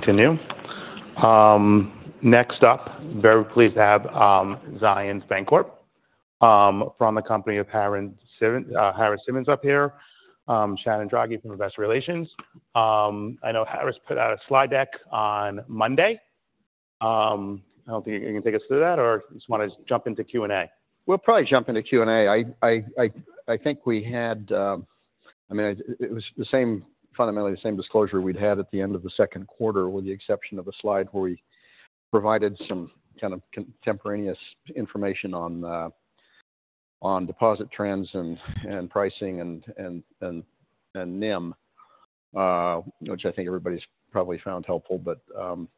Continue. Next up, very pleased to have Zions Bancorporation from the company, Harris Simmons up here, Shannon Drage from Investor Relations. I know Harris put out a slide deck on Monday. I don't think you're going to take is us through that, or just want to jump into Q&A? We'll probably jump into Q&A. I think we had, I mean, it was the same, fundamentally the same disclosure we'd had at the end of the second quarter, with the exception of a slide where we provided some kind of contemporaneous information on deposit trends and pricing and NIM. Which I think everybody's probably found helpful, but I'm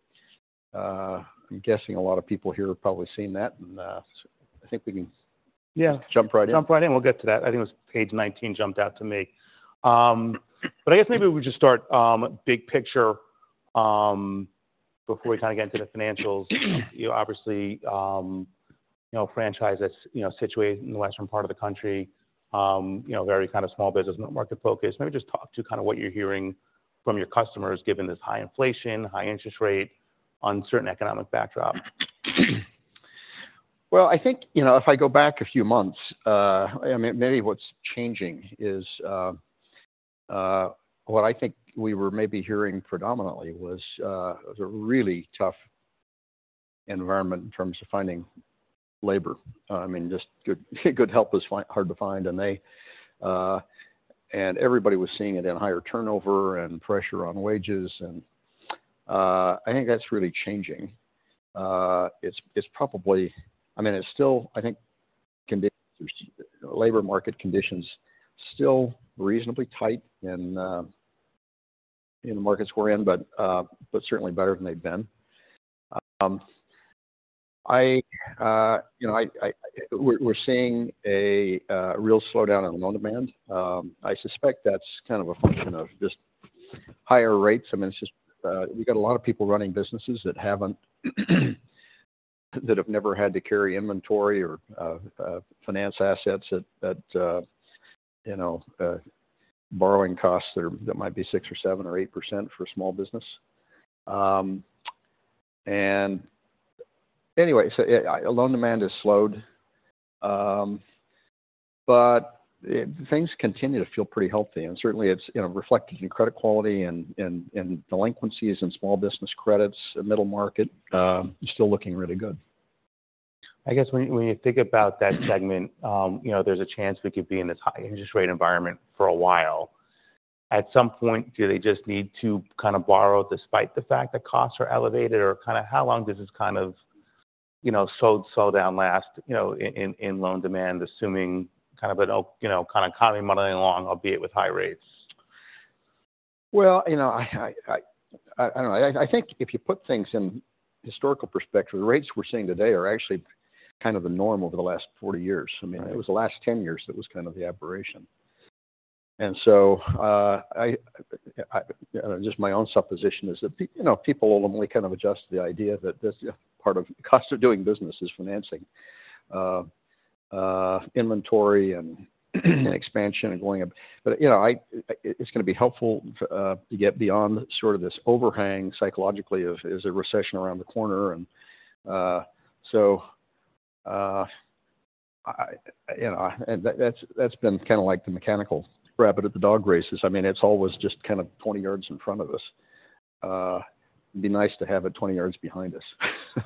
guessing a lot of people here have probably seen that, and I think we can. Yeah. Jump right in. Jump right in. We'll get to that. I think it was page 19 jumped out to me. But I guess maybe we just start, big picture, before we kind of get into the financials. You know, obviously, you know, franchise that's, you know, situated in the western part of the country, you know, very kind of small business market focused. Maybe just talk to kind of what you're hearing from your customers, given this high inflation, high interest rate, uncertain economic backdrop. Well, I think, you know, if I go back a few months, I mean, maybe what's changing is what I think we were maybe hearing predominantly was a really tough environment in terms of finding labor. I mean, just good, good help was hard to find, and everybody was seeing it in higher turnover and pressure on wages, and I think that's really changing. It's probably I mean, it's still, I think, labor market conditions still reasonably tight in the markets we're in, but certainly better than they've been. You know, we're seeing a real slowdown on loan demand. I suspect that's kind of a function of just higher rates. I mean, it's just, we've got a lot of people running businesses that haven't, that have never had to carry inventory or, finance assets at, you know, borrowing costs that, that might be 6% or 7% or 8% for small business. And anyway, so, loan demand has slowed, but it things continue to feel pretty healthy, and certainly it's, you know, reflected in credit quality and, and, and delinquencies and small business credits and middle market, still looking really good. I guess when you think about that segment, you know, there's a chance we could be in this high interest rate environment for a while. At some point, do they just need to kind of borrow despite the fact that costs are elevated? Or kind of how long does this kind of, you know, slow down last, you know, in loan demand, assuming kind of an, you know, kind of economy muddling along, albeit with high rates? Well, you know, I don't know. I think if you put things in historical perspective, the rates we're seeing today are actually kind of the norm over the last 40 years. I mean, it was the last 10 years that was kind of the aberration. And so, I just my own supposition is that you know, people ultimately kind of adjust to the idea that this part of the cost of doing business is financing inventory and expansion and going up. But, you know, it's going to be helpful to get beyond sort of this overhang psychologically of, is a recession around the corner? And so, you know, and that's been kind of like the mechanical rabbit at the dog races. I mean, it's always just kind of 20 yards in front of us. It'd be nice to have it 20 yards behind us.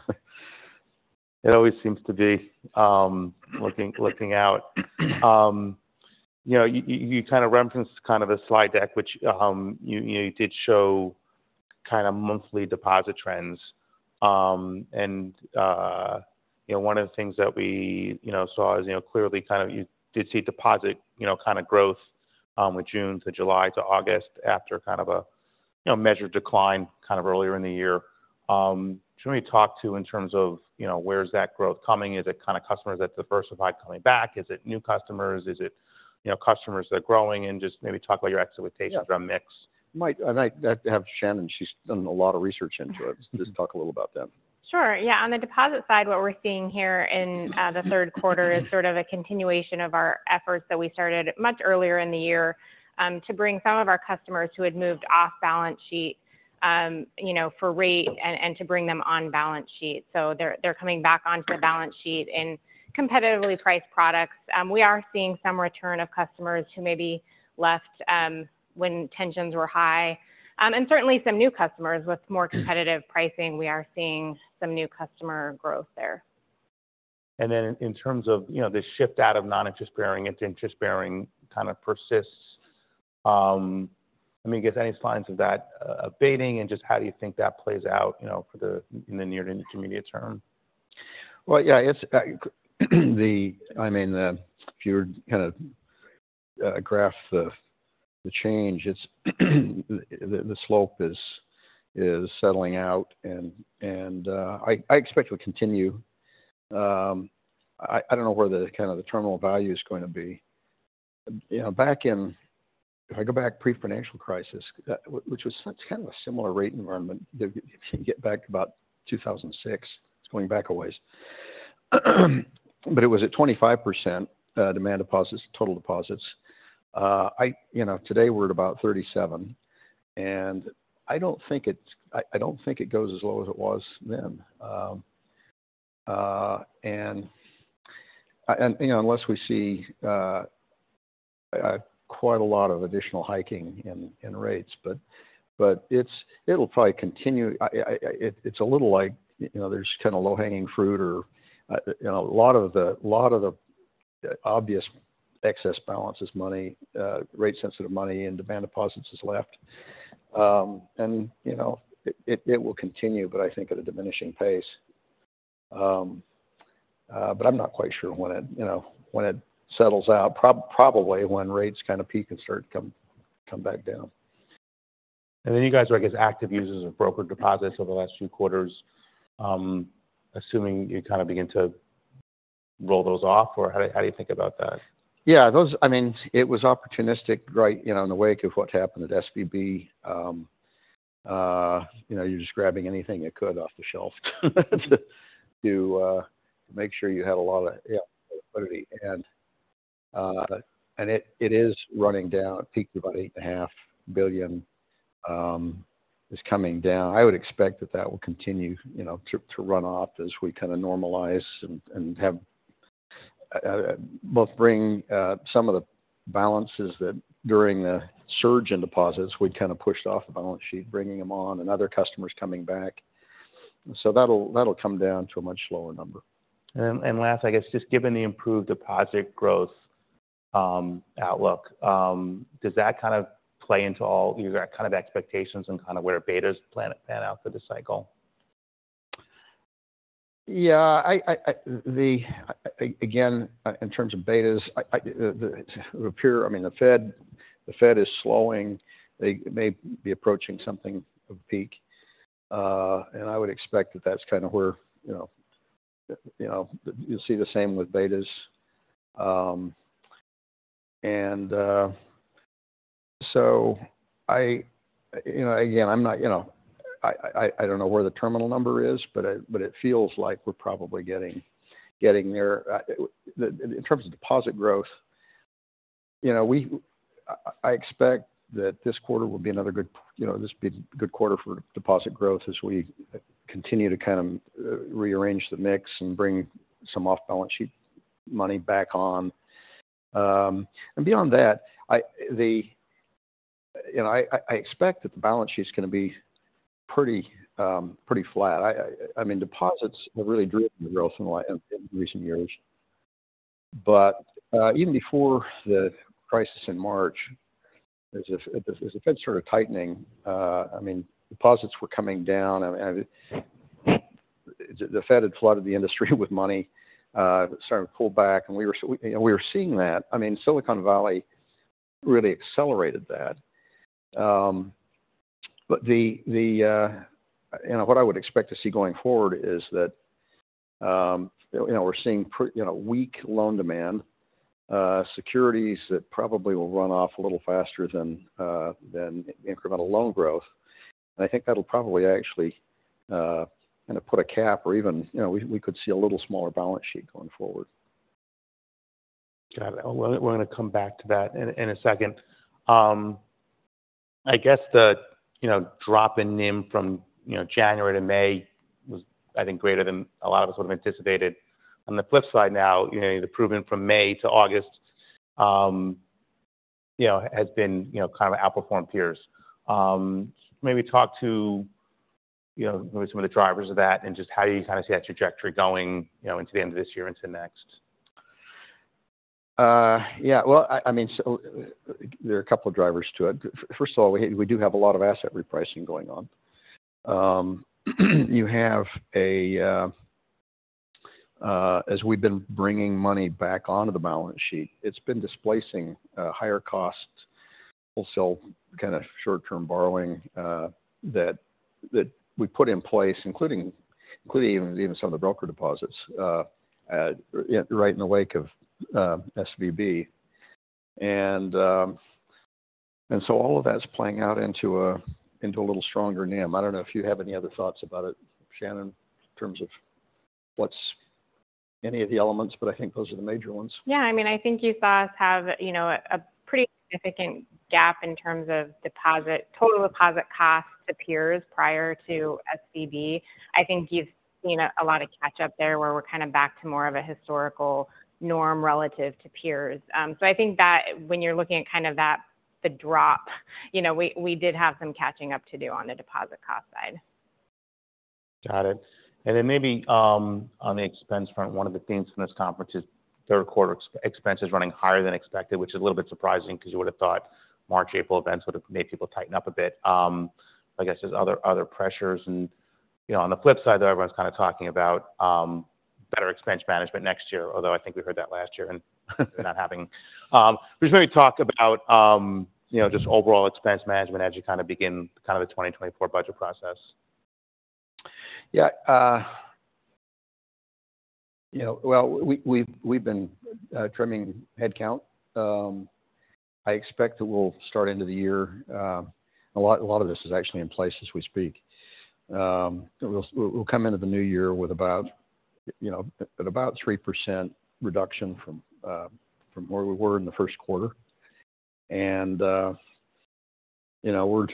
It always seems to be looking out. You know, you kind of referenced kind of a slide deck, which you did show kind of monthly deposit trends. And you know, one of the things that we you know saw is, you know, clearly kind of you did see deposit you know kind of growth with June to July to August, after kind of a you know measured decline kind of earlier in the year. Can we talk to in terms of you know where is that growth coming? Is it kind of customers that diversified coming back? Is it new customers? Is it you know customers that are growing? And just maybe talk about your expectations around mix. I might, and I have Shannon, she's done a lot of research into it. Just talk a little about that. Sure. Yeah. On the deposit side, what we're seeing here in the third quarter is sort of a continuation of our efforts that we started much earlier in the year to bring some of our customers who had moved off balance sheet, you know, for rate and, and to bring them on balance sheet. So they're, they're coming back onto the balance sheet in competitively priced products. We are seeing some return of customers who maybe left when tensions were high. And certainly some new customers. With more competitive pricing, we are seeing some new customer growth there. And then in terms of, you know, the shift out of non-interest bearing into interest bearing kind of persists, I mean, I guess any signs of that abating and just how do you think that plays out, you know, for in the near to intermediate term? Well, yeah, it's the, I mean, the if you were to kind of graph the change, it's the slope is settling out, and I expect it will continue. I don't know where the kind of terminal value is going to be. You know, back in If I go back pre-financial crisis, which was such kind of a similar rate environment, if you get back to about 2006, it's going back a ways...But it was at 25%, demand deposits, total deposits. I you know, today we're at about 37, and I don't think it goes as low as it was then. And, you know, unless we see quite a lot of additional hiking in rates, but it'll probably continue. It's a little like, you know, there's kind of low-hanging fruit or, you know, a lot of the obvious excess balances money, rate sensitive money and demand deposits has left. And, you know, it will continue, but I think at a diminishing pace. But I'm not quite sure when it, you know, when it settles out, probably when rates kind of peak and start come back down. And then you guys were, I guess, active users of broker deposits over the last few quarters. Assuming you kind of begin to roll those off, or how, how do you think about that? Yeah, those. I mean, it was opportunistic, right, you know, in the wake of what happened at SVB. You know, you're just grabbing anything you could off the shelf, to, to make sure you had a lot of, yeah, liquidity. And, and it, it is running down. It peaked about $8.5 billion, it's coming down. I would expect that that will continue, you know, to, to run off as we kind of normalize and, and have, both bring, some of the balances that during the surge in deposits, we kind of pushed off the balance sheet, bringing them on, and other customers coming back. So that'll, that'll come down to a much lower number. Last, I guess, just given the improved deposit growth outlook, does that kind of play into all your kind of expectations and kind of where betas pan out for the cycle? Yeah, again, in terms of betas, I mean, the Fed is slowing. They may be approaching something of a peak, and I would expect that that's kind of where, you know, you know, you'll see the same with betas. You know, again, I'm not, you know, I don't know where the terminal number is, but it feels like we're probably getting there. In terms of deposit growth, you know, I expect that this quarter will be another good, you know, this be a good quarter for deposit growth as we continue to kind of rearrange the mix and bring some off-balance sheet money back on. And beyond that, you know, I mean, deposits have really driven the growth in recent years. But even before the crisis in March, as the Fed started tightening, I mean, deposits were coming down and the Fed had flooded the industry with money, started to pull back, and we were seeing that. I mean, Silicon Valley really accelerated that. But you know, what I would expect to see going forward is that, you know, we're seeing weak loan demand, securities that probably will run off a little faster than incremental loan growth. I think that'll probably actually kind of put a cap or even, you know, we could see a little smaller balance sheet going forward. Got it. Well, we're going to come back to that in a second. I guess the, you know, drop in NIM from, you know, January to May was, I think, greater than a lot of us would have anticipated. On the flip side, now, you know, the improvement from May to August, you know, has been, you know, kind of outperformed peers. Maybe talk to, you know, maybe some of the drivers of that and just how you kind of see that trajectory going, you know, into the end of this year, into next. Yeah, well, I mean, so there are a couple of drivers to it. First of all, we do have a lot of asset repricing going on. As we've been bringing money back onto the balance sheet, it's been displacing higher cost wholesale kind of short-term borrowing that we put in place, including even some of the broker deposits right in the wake of SVB. And so all of that's playing out into a little stronger NIM. I don't know if you have any other thoughts about it, Shannon, in terms of what's any of the elements, but I think those are the major ones. Yeah, I mean, I think you saw us have, you know, a pretty significant gap in terms of deposit-total deposit costs to peers prior to SVB. I think you've seen a lot of catch up there, where we're kind of back to more of a historical norm relative to peers. So I think that when you're looking at kind of that, the drop, you know, we did have some catching up to do on the deposit cost side. Got it. And then maybe on the expense front, one of the themes from this conference is third quarter expense is running higher than expected, which is a little bit surprising because you would have thought March, April events would have made people tighten up a bit. I guess there's other pressures and, you know, on the flip side, though, everyone's kind of talking about better expense management next year, although I think we heard that last year and not happening. But just maybe talk about, you know, just overall expense management as you kind of begin the 2024 budget process. Yeah, you know, well, we've been trimming headcount. I expect that we'll start into the year, a lot of this is actually in place as we speak. We'll come into the new year with about, you know, at about 3% reduction from from where we were in the first quarter. And, you know, we're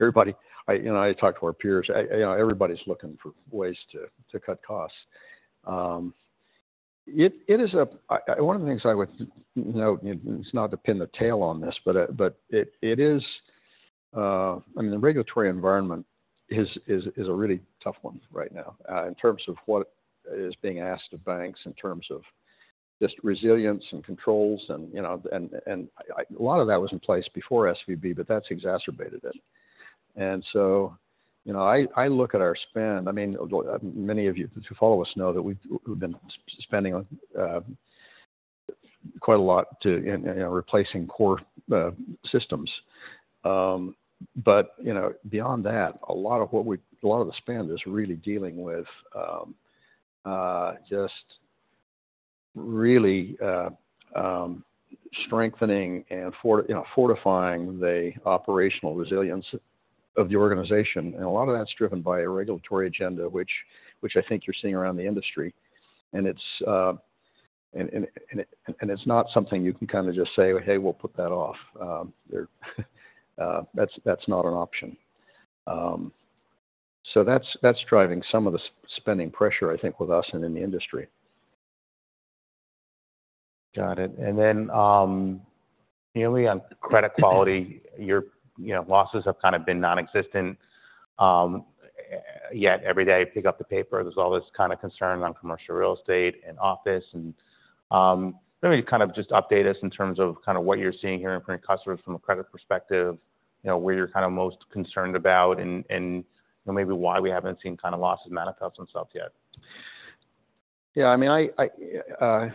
everybody I, you know, I talked to our peers, you know, everybody's looking for ways to, to cut costs. One of the things I would note, it's not to pin the tail on this, but I mean, the regulatory environment is a really tough one right now, in terms of what is being asked of banks, in terms of just resilience and controls and, you know, a lot of that was in place before SVB, but that's exacerbated it. And so, you know, I look at our spend. I mean, many of you who follow us know that we've been spending on quite a lot to, you know, replacing core systems. But, you know, beyond that, a lot of the spend is really dealing with just really strengthening and, you know, fortifying the operational resilience of the organization. And a lot of that's driven by a regulatory agenda, which I think you're seeing around the industry. And it's not something you can kind of just say, "Hey, we'll put that off." That's not an option. So that's driving some of the spending pressure, I think, with us and in the industry. Got it. Then, merely on credit quality, your, you know, losses have kind of been nonexistent. Yet every day I pick up the paper, there's all this kind of concern on commercial real estate and office and, maybe kind of just update us in terms of kind of what you're seeing, hearing from your customers from a credit perspective. You know, where you're kind of most concerned about and, and maybe why we haven't seen kind of losses manifest themselves yet. Yeah, I mean, I, I,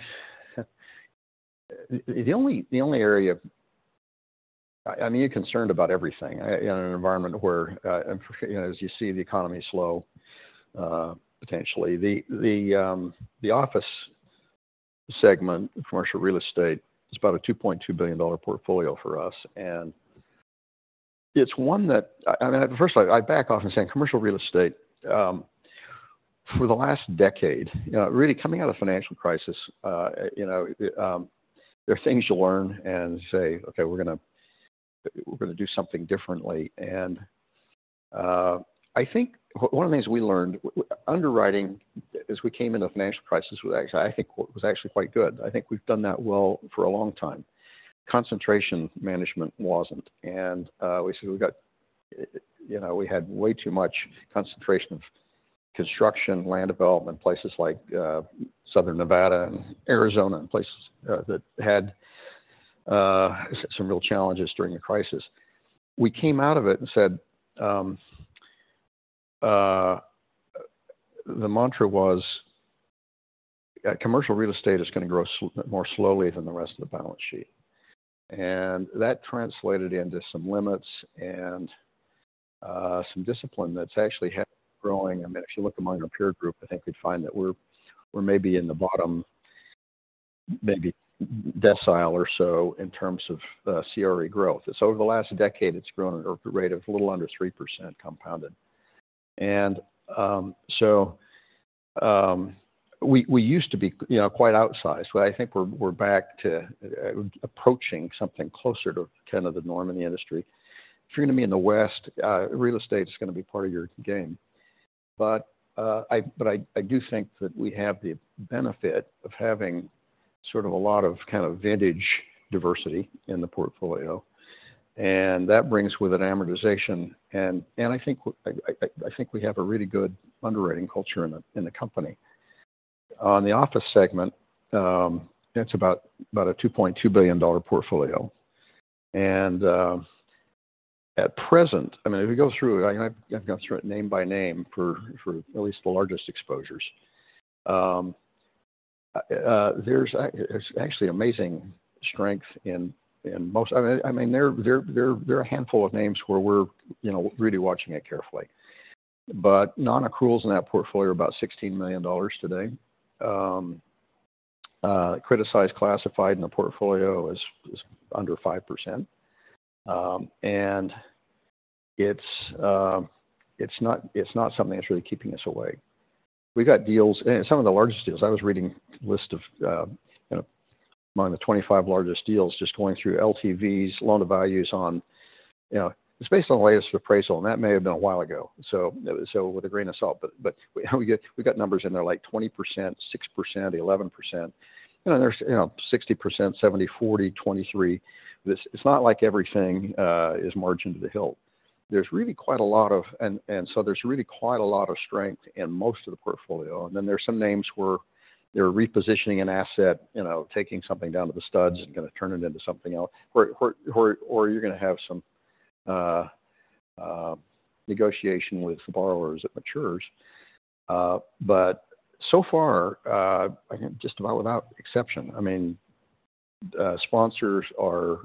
the only, the only area I mean, you're concerned about everything in an environment where, you know, as you see the economy slow, potentially. The, the, the office segment, commercial real estate, is about a $2.2 billion portfolio for us. And it's one that I, I mean, first of all, I back off and say commercial real estate, for the last decade, you know, really coming out of financial crisis, you know, there are things you learn and say, "Okay, we're gonna, we're gonna do something differently." And, I think one of the things we learned, underwriting, as we came into the financial crisis, was actually, I think, was actually quite good. I think we've done that well for a long time. Concentration management wasn't. We said we got, you know, we had way too much concentration of construction, land development in places like Southern Nevada and Arizona, and places that had some real challenges during the crisis. We came out of it and said the mantra was that commercial real estate is going to grow more slowly than the rest of the balance sheet. That translated into some limits and some discipline that's actually growing. I mean, if you look among our peer group, I think you'd find that we're maybe in the bottom decile or so in terms of CRE growth. Over the last decade, it's grown at a rate of a little under 3% compounded. We used to be, you know, quite outsized, but I think we're back to approaching something closer to kind of the norm in the industry. If you're going to be in the West, real estate is going to be part of your game. I do think that we have the benefit of having sort of a lot of kind of vintage diversity in the portfolio, and that brings with it amortization. I think we have a really good underwriting culture in the company. On the office segment, it's about a $2.2 billion portfolio. At present, I mean, if you go through it, I've gone through it name by name for at least the largest exposures. There's actually amazing strength in most—I mean, there are a handful of names where we're, you know, really watching it carefully. But nonaccruals in that portfolio are about $16 million today. Criticized classified in the portfolio is under 5%. And it's not something that's really keeping us away. We got deals, and some of the largest deals—I was reading a list of, you know, among the 25 largest deals, just going through LTVs, loan to values on... You know, it's based on the latest appraisal, and that may have been a while ago, so with a grain of salt. But we got numbers in there like 20%, 6%, 11%. You know, there's 60%, 70, 40, 23. It's not like everything is marching to the hilt. There's really quite a lot of and so there's really quite a lot of strength in most of the portfolio. And then there are some names where they're repositioning an asset, you know, taking something down to the studs and going to turn it into something else, or you're going to have some negotiation with the borrowers that matures. But so far, just about without exception, I mean, sponsors are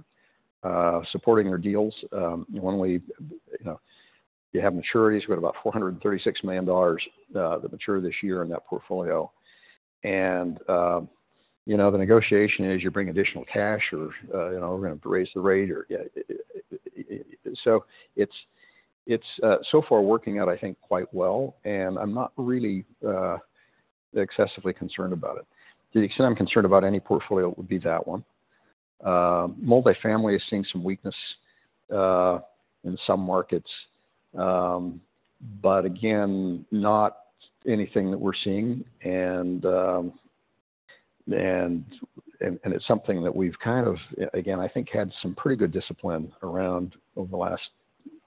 supporting our deals. One way, you know, you have maturities. We've got about $436 million that mature this year in that portfolio. And you know, the negotiation is you bring additional cash or, you know, we're gonna raise the rate or... So it's so far working out, I think, quite well, and I'm not really excessively concerned about it. To the extent I'm concerned about any portfolio, it would be that one. Multifamily is seeing some weakness in some markets. But again, not anything that we're seeing, and it's something that we've kind of, again, I think, had some pretty good discipline around over the last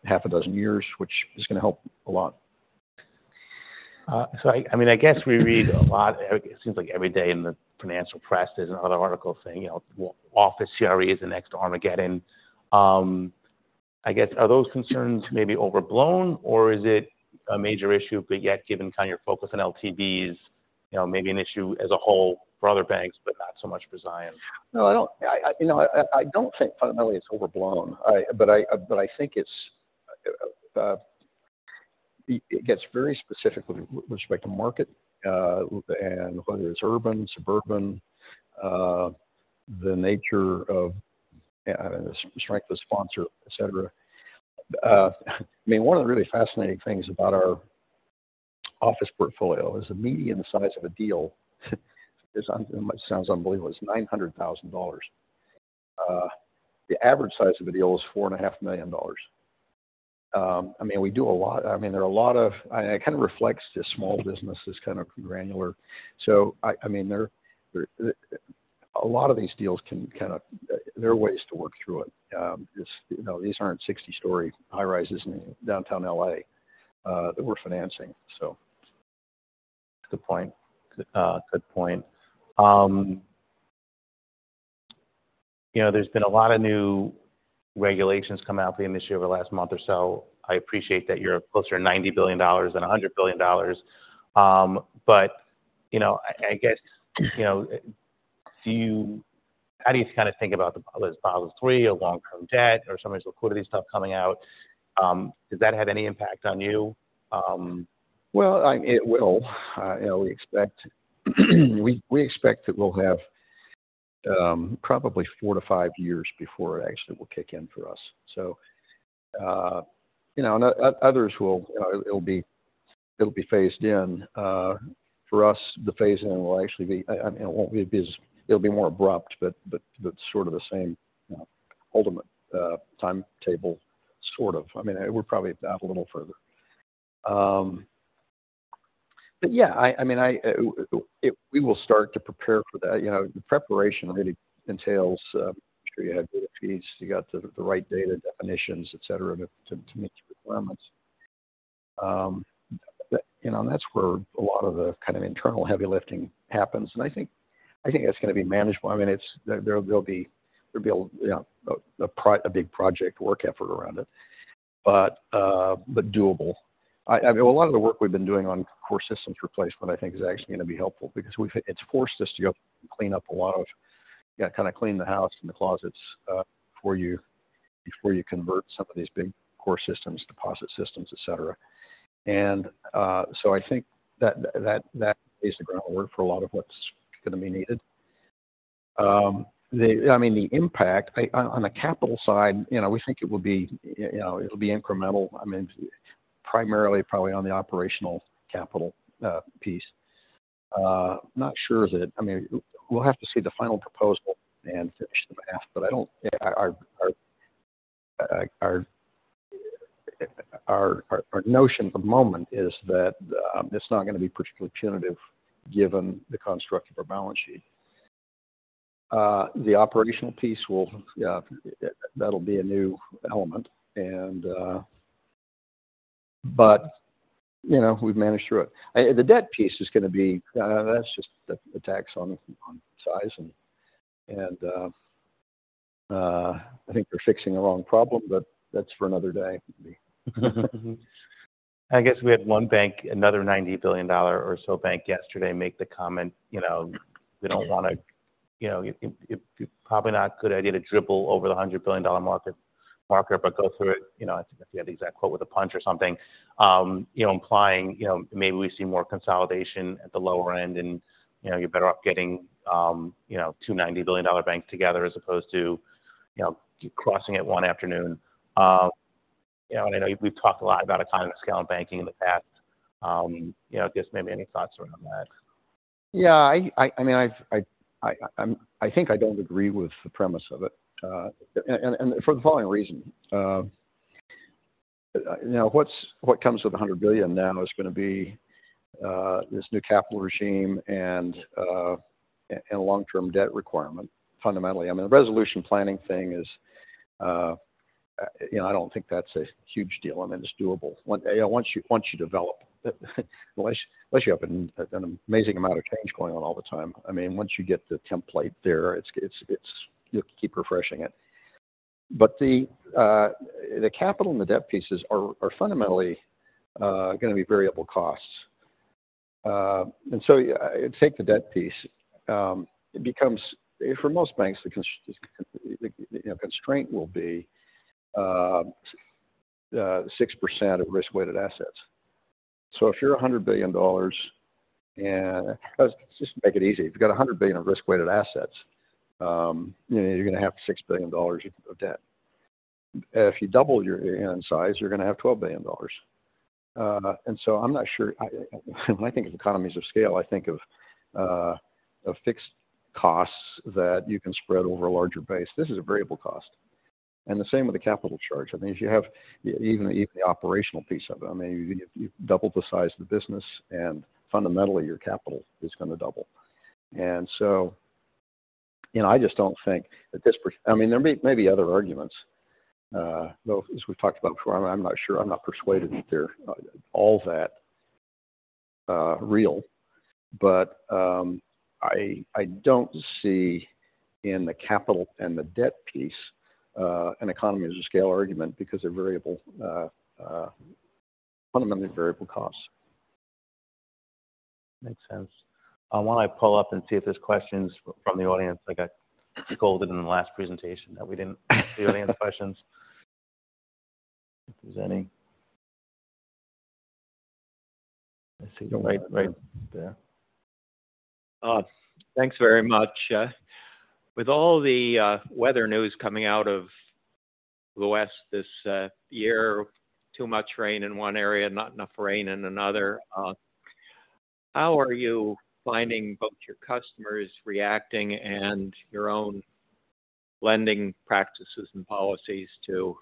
half a dozen years, which is gonna help a lot. So I mean, I guess we read a lot, it seems like every day in the financial press, there's another article saying, you know, office CRE is the next Armageddon. I guess, are those concerns maybe overblown, or is it a major issue, but yet, given kind of your focus on LTVs, you know, maybe an issue as a whole for other banks, but not so much for Zions? No, I don't. You know, I don't think fundamentally it's overblown. But I think it's, it gets very specific with respect to market, and whether it's urban, suburban, the nature of the strength of the sponsor, et cetera. I mean, one of the really fascinating things about our office portfolio is the median size of a deal, it sounds unbelievable, is $900,000. The average size of a deal is $4.5 million. I mean, there are a lot of... And it kind of reflects the small business, this kind of granular. So I mean, a lot of these deals can kind of, there are ways to work through it. Just, you know, these aren't 60-story high-rises in downtown L.A. that we're financing, so. Good point. Good point. You know, there's been a lot of new regulations come out for the industry over the last month or so. I appreciate that you're closer to $90 billion than a $100 billion. But, you know, I guess, you know, do you-how do you kind of think about the Basel III or long-term debt or some of the liquidity stuff coming out? Does that have any impact on you? Well, I mean, it will. You know, we expect that we'll have probably 4-5 years before it actually will kick in for us. So, you know, others will, it'll be. It'll be phased in. For us, the phase-in will actually be. I mean, it won't be as it'll be more abrupt, but sort of the same, you know, ultimate timetable, sort of. I mean, we're probably out a little further. But yeah, I mean, we will start to prepare for that. You know, the preparation really entails make sure you have data feeds, you got the right data, definitions, et cetera, to meet the requirements. You know, and that's where a lot of the kind of internal heavy lifting happens. And I think it's gonna be manageable. I mean, it's there'll be, you know, a big project work effort around it, but but doable. I mean, a lot of the work we've been doing on core systems replacement, I think, is actually going to be helpful because we've it's forced us to go clean up a lot of, you know, kind of clean the house and the closets, before you convert some of these big core systems, deposit systems, et cetera. And so I think that that is the groundwork for a lot of what's gonna be needed. I mean, the impact on the capital side, you know, we think it will be, you know, it'll be incremental. I mean, primarily, probably on the operational capital piece. Not sure of it. I mean, we'll have to see the final proposal and finish the math, but our notion at the moment is that it's not gonna be particularly punitive given the construct of our balance sheet. The operational piece will, yeah, that'll be a new element, and. But, you know, we've managed through it. The debt piece is gonna be, that's just the tax on size, and I think we're fixing a wrong problem, but that's for another day. I guess we had one bank, another $90 billion or so bank yesterday, make the comment, you know, "We don't wanna, you know, it, it, probably not a good idea to dribble over the $100 billion dollar market, market, but go through it," you know, I forget the exact quote, "with a punch or something." You know, implying, you know, maybe we see more consolidation at the lower end and, you know, you're better off getting, you know, two $90 billion dollar banks together as opposed to, you know, crossing it one afternoon. You know, and I know we've talked a lot about economies of scale in banking in the past. You know, I guess maybe any thoughts around that? Yeah, I mean, I think I don't agree with the premise of it, and for the following reason: You know, what comes with $100 billion now is gonna be this new capital regime and a long-term debt requirement, fundamentally. I mean, the resolution planning thing is, you know, I don't think that's a huge deal. I mean, it's doable. Once you develop, unless you have an amazing amount of change going on all the time. I mean, once you get the template there, you keep refreshing it. But the capital and the debt pieces are fundamentally gonna be variable costs. And so, yeah, take the debt piece. It becomes, for most banks, the constraint will be, 6% of risk-weighted assets. So if you're $100 billion and Let's just make it easy. If you've got 100 billion of risk-weighted assets, you know, you're gonna have $6 billion of debt. If you double your size, you're gonna have $12 billion. And so I'm not sure. I, when I think of economies of scale, I think of fixed costs that you can spread over a larger base. This is a variable cost, and the same with the capital charge. I mean, if you have even the operational piece of it, I mean, you double the size of the business and fundamentally your capital is gonna double. And so, you know, I just don't think that this I mean, there may be other arguments, though, as we've talked about before, I'm not sure. I'm not persuaded that they're all that real. But, I don't see in the capital and the debt piece an economy as a scale argument because they're variable, fundamentally variable costs. Makes sense. I want to pull up and see if there's questions from the audience. I got scolded in the last presentation that we didn't ask the audience questions, if there's any. I see right, right there. Thanks very much. With all the weather news coming out of the West this year, too much rain in one area, not enough rain in another, how are you finding both your customers reacting and your own lending practices and policies to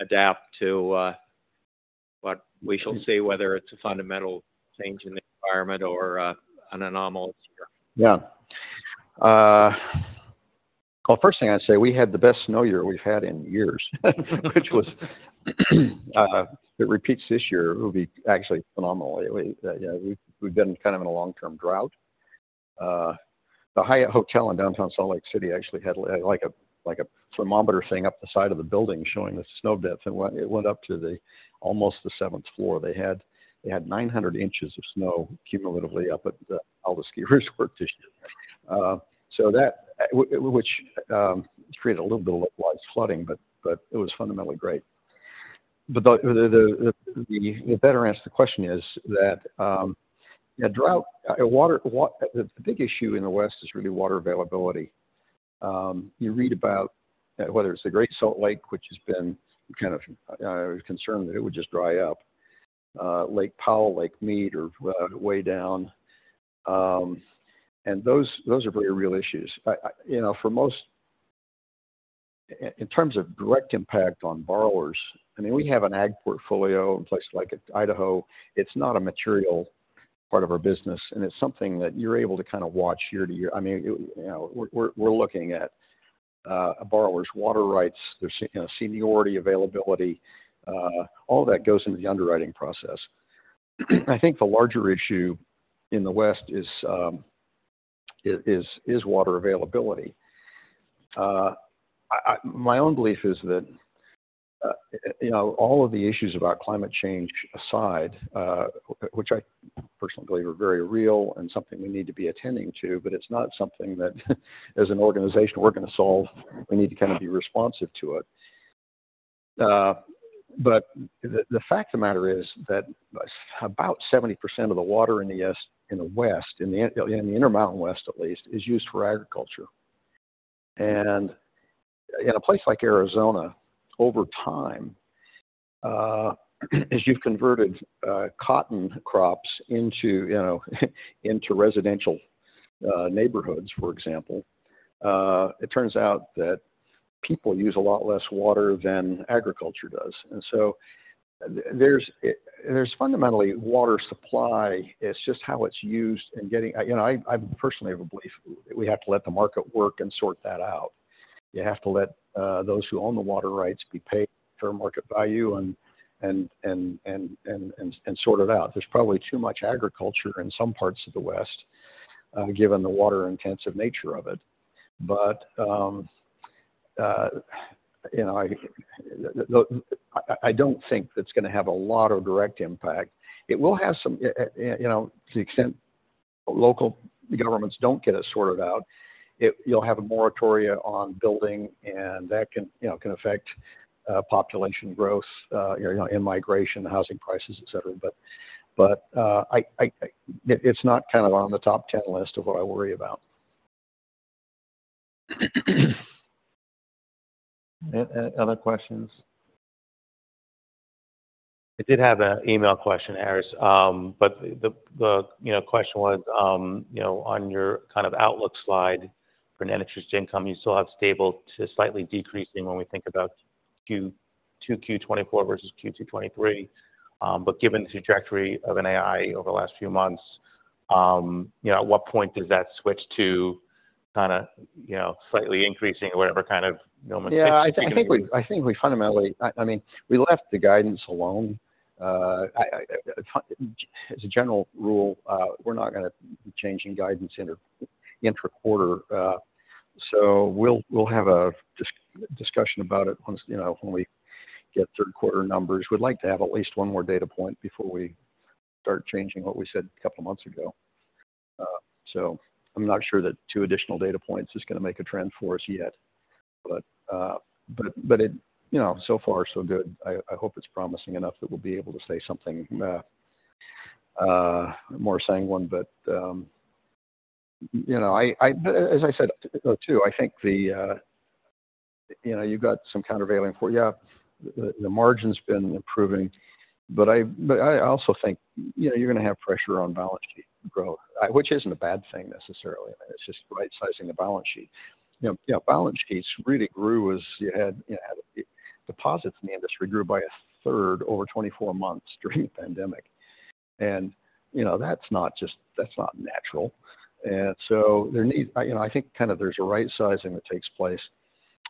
adapt to what we shall see, whether it's a fundamental change in the environment or an anomaly this year? Yeah. Well, first thing I'd say, we had the best snow year we've had in years. If it repeats this year, it will be actually phenomenal. We've, yeah, we've been kind of in a long-term drought. The Hyatt Hotel in downtown Salt Lake City actually had a thermometer thing up the side of the building showing the snow depth, and it went up to almost the seventh floor. They had 900 inches of snow cumulatively up at the. All the skiers were just, so that which created a little bit of localized flooding, but it was fundamentally great. But the better answer to the question is that, yeah, drought, water – the big issue in the West is really water availability. You read about whether it's the Great Salt Lake, which has been kind of concerned that it would just dry up, Lake Powell, Lake Mead, are way down. And those, those are very real issues. You know, for most, in terms of direct impact on borrowers, I mean, we have an ads portfolio in places like Idaho. It's not a material part of our business, and it's something that you're able to kind of watch year to year. I mean, you know, we're, we're looking at a borrower's water rights, their, you know, seniority, availability, all that goes into the underwriting process. I think the larger issue in the West is water availability. I My own belief is that, you know, all of the issues about climate change aside, which I personally believe are very real and something we need to be attending to, but it's not something that as an organization, we're going to solve. We need to kind of be responsive to it. But the fact of the matter is that about 70% of the water in the West, in the Intermountain West, at least, is used for agriculture. And in a place like Arizona, over time, as you've converted cotton crops into, you know, into residential neighborhoods, for example, it turns out that people use a lot less water than agriculture does. And so there's fundamentally water supply. It's just how it's used and getting. You know, I personally have a belief we have to let the market work and sort that out. You have to let those who own the water rights be paid fair market value and sort it out. There's probably too much agriculture in some parts of the West, given the water-intensive nature of it. But, you know, I don't think that's gonna have a lot of direct impact. It will have some, you know, to the extent local governments don't get it sorted out, it you'll have a moratorium on building, and that can, you know, affect population growth, you know, in-migration, housing prices, et cetera. But, I It's not kind of on the top 10 list of what I worry about. Any other questions? I did have an email question, Harris. But the question was, you know, on your kind of outlook slide for net interest income, you still have stable to slightly decreasing when we think about Q2 2024 versus Q2 2023. But given the trajectory of NII over the last few months, you know, at what point does that switch to kind of, you know, slightly increasing or whatever kind of nomenclature Yeah, I think we fundamentally I mean, we left the guidance alone. As a general rule, we're not gonna be changing guidance intra-quarter. So we'll have a discussion about it once, you know, when we get third quarter numbers. We'd like to have at least one more data point before we start changing what we said a couple of months ago. So I'm not sure that two additional data points is going to make a trend for us yet. But it, you know, so far so good. I hope it's promising enough that we'll be able to say something more saying one. But, you know, as I said, too, I think the, you know, you've got some countervailing for you. Yeah, the margin's been improving, but I also think, you know, you're going to have pressure on balance sheet growth, which isn't a bad thing necessarily. It's just right-sizing the balance sheet. You know, balance sheets really grew as you had, you know, deposits in the industry grew by a third over 24 months during the pandemic. And, you know, that's not natural. And so I, you know, I think kind of there's a right sizing that takes place,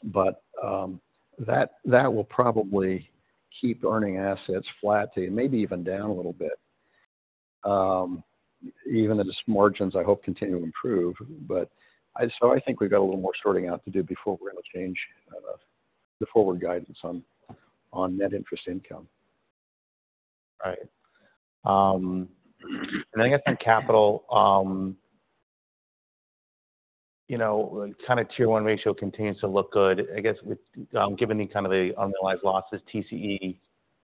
but that will probably keep earning assets flat to maybe even down a little bit. Even as margins, I hope, continue to improve. So I think we've got a little more sorting out to do before we're going to change the forward guidance on net interest income. Right. I guess in capital, you know, kind of Tier one ratio continues to look good. I guess with given the kind of the unrealized losses, TCE, you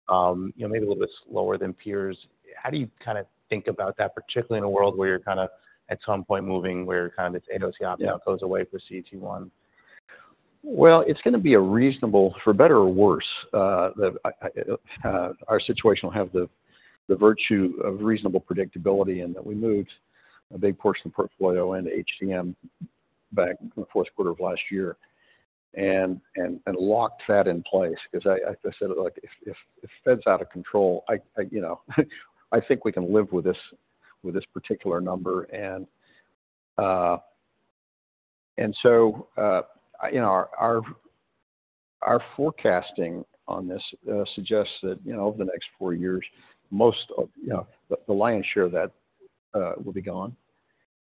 know, maybe a little bit slower than peers. How do you kind of think about that, particularly in a world where you're kind of at some point moving, where kind of this AOCI option goes away for CET1? Well, it's going to be a reasonable, for better or worse, that our situation will have the, the virtue of reasonable predictability, and that we moved a big portion of the portfolio into HTM back in the fourth quarter of last year and locked that in place. Because I said, like, if Feds out of control, you know, I think we can live with this, with this particular number. And, and so, you know, our forecasting on this suggests that, you know, over the next four years, most of, you know, the lion's share of that, will be gone.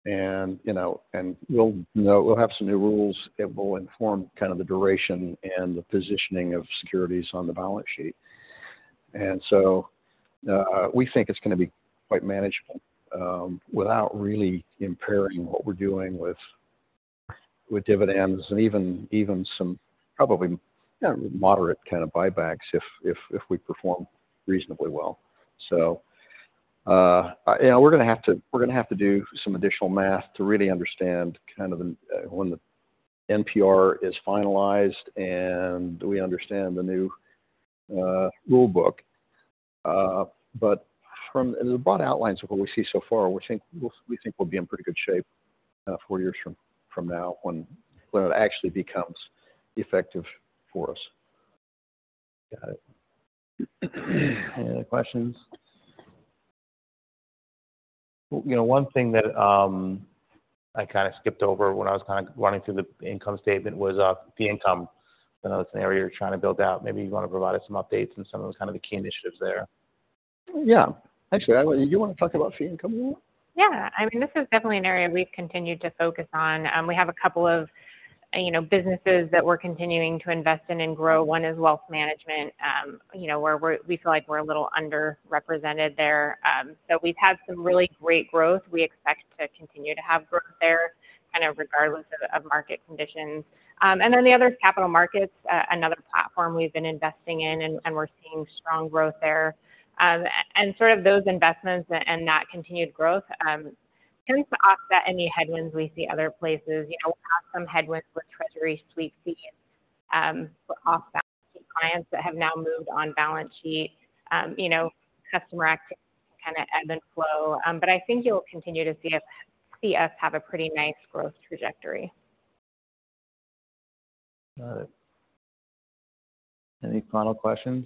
And, you know, we'll, you know, we'll have some new rules that will inform kind of the duration and the positioning of securities on the balance sheet. So, we think it's going to be quite manageable, without really impairing what we're doing with dividends and even some probably moderate kind of buybacks if we perform reasonably well. So, yeah, we're going to have to do some additional math to really understand kind of when the NPR is finalized and we understand the new rule book. But from the broad outlines of what we see so far, we think we'll be in pretty good shape, four years from now when it actually becomes effective for us. Got it. Any other questions? You know, one thing that I kind of skipped over when I was kind of running through the income statement was the income. I know it's an area you're trying to build out. Maybe you want to provide us some updates and some of the kind of the key initiatives there. Yeah. Actually, do you want to talk about fee income more? Yeah. I mean, this is definitely an area we've continued to focus on. We have a couple of, you know, businesses that we're continuing to invest in and grow. One is wealth management, you know, where we feel like we're a little underrepresented there. So we've had some really great growth. We expect to continue to have growth there, kind of regardless of market conditions. And then the other is capital markets, another platform we've been investing in, and we're seeing strong growth there. And sort of those investments and that continued growth tends to offset any headwinds we see other places. You know, we'll have some headwinds with Treasury sweep fees for off-balance sheet clients that have now moved on balance sheet. You know, customer acquisition, kind of ebb and flow, but I think you'll continue to see us, see us have a pretty nice growth trajectory. Got it. Any final questions?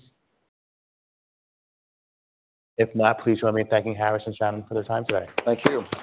If not, please join me in thanking Harris and Shannon for their time today. Thank you.